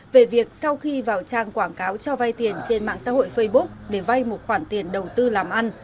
về việc sau khi vào trang quảng cáo cho vay tiền trên mạng xã hội facebook để vay một khoản tiền đầu tư làm ăn